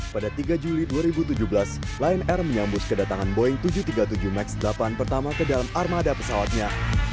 pada tiga juli dua ribu tujuh belas lion air menyambus kedatangan boeing tujuh ratus tiga puluh tujuh max delapan pertama ke dalam armada pesawatnya